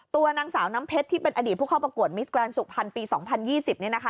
ตัวนางสาวน้ำเพชรที่เป็นอดีตผู้เข้าประกวดมิสแกรนดสุขพันธ์ปี๒๐๒๐เนี่ยนะคะ